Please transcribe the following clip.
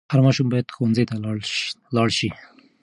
هر ماشوم باید ښوونځي ته ولاړ سي.